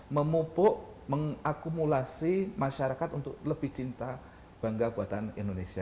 memupuk mengakumulasi masyarakat untuk lebih cinta bangga buatan indonesia